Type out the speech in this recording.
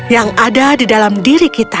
yang ada di dalam diri kita